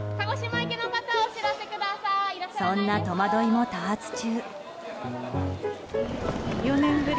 そんな戸惑いも多発中。